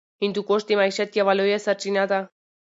هندوکش د معیشت یوه لویه سرچینه ده.